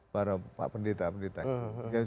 para pendeta pendeta itu